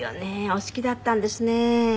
お好きだったんですね。